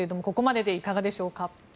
ここまででいかがでしょうか。